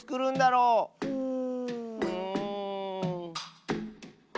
うん！